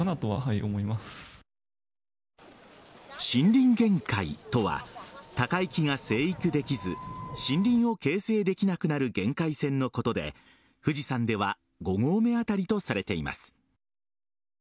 森林限界とは高い木が生育できず森林を形成できなくなる限界線のことで富士山では５合目あたりとされています。